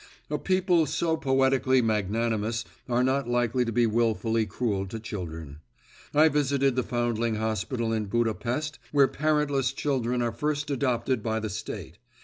A people so poetically magnanimous are not likely to be wilfully cruel to children. I visited the Foundling hospital in Budapest where parentless children are first adopted by the State.